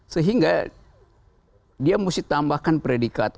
sehingga dia mesti tambahkan predikat